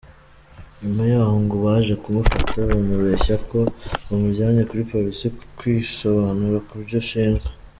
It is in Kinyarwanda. Nyuma yaho ngo baje kumufata, bamubeshya ko bamujyanye kuri polisi kwisobanura kubyo ashinjwa.